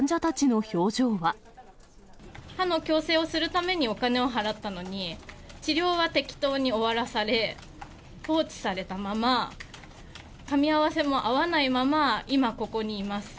歯の矯正をするためにお金を払ったのに、治療は適当に終わらされ、放置されたまま、かみ合わせも合わないまま、今、ここにいます。